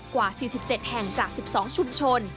กว่า๔๗แห่งจาก๑๒ชุมชน